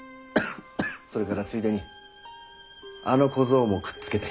それからついでにあの小僧もくっつけて。